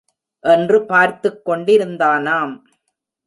என்று பார்த்துக் கொண்டிருந்தானாம்.